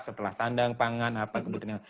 setelah sandang pangan apa kebutuhan